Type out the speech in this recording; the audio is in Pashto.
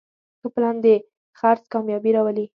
ښه پلان د خرڅ کامیابي راولي.